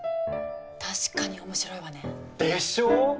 確かに面白いわね。でしょう？